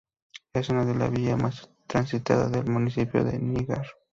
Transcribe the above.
Es una de las vía más transitada del municipio de Níjar.